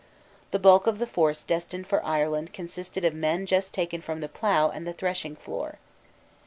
The bulk of the force destined for Ireland consisted of men just taken from the plough and the threshing floor.